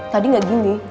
tadi gak gini